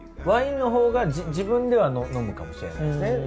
ワインのほうが自分では飲むかもしれないですね。